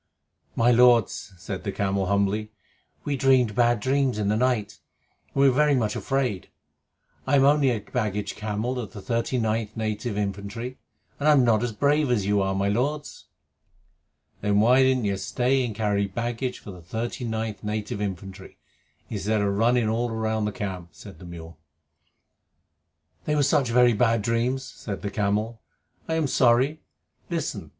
"My lords," said the camel humbly, "we dreamed bad dreams in the night, and we were very much afraid. I am only a baggage camel of the 39th Native Infantry, and I am not as brave as you are, my lords." "Then why didn't you stay and carry baggage for the 39th Native Infantry, instead of running all round the camp?" said the mule. "They were such very bad dreams," said the camel. "I am sorry. Listen!